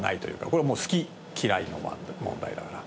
これはもう好き嫌いの問題だから。